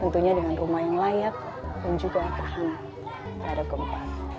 tentunya dengan rumah yang layak dan juga tahan terhadap gempa